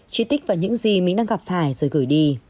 chi tích vào những gì mình đang gặp phải rồi gửi đi